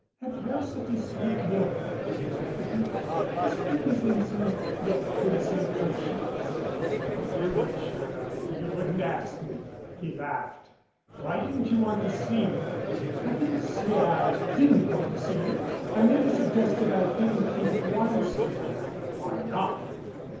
Adversity's sweet milk, philosophy. Is beauty's ensign yet crimson in my cheeks ?" "If you weren't sure of it you wouldn't ask me," he laughed. "Why didn't you want to see me ?" "I didn't say I didn't want to see you. I merely sug gested that I didn't think it wise to." "Why not?"